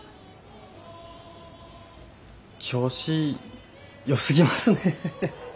調子よすぎますね。